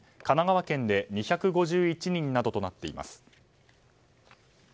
神奈川県で２５１人などとなっています。